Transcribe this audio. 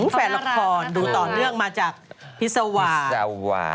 แฟนละครดูต่อเนื่องมาจากพิษวาส